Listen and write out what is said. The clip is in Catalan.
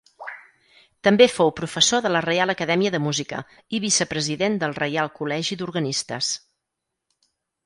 També fou professor de la Reial Acadèmia de Música i vicepresident del Reial Col·legi d'Organistes.